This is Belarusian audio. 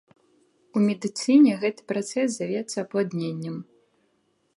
У медыцыне гэты працэс завецца апладненнем.